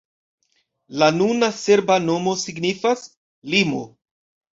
La nuna serba nomo signifas: limo.